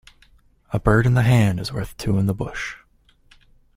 A bird in the hand is worth two in the bush.